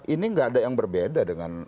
ini nggak ada yang berbeda dengan